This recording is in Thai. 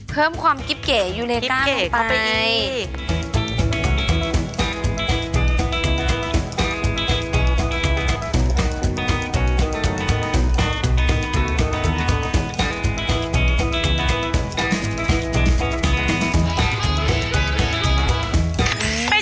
เพิ่มความกิ๊บเก๋อยู่ในกล้ามของไป